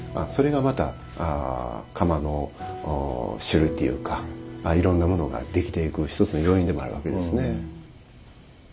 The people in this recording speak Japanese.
それがまた釜の種類っていうかいろんなものができていく一つの要因でもあるわけですね。